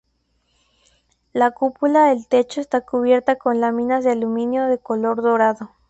La cúpula del techo está cubierta con láminas de aluminio de color dorado.